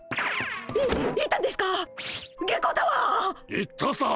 行ったさ！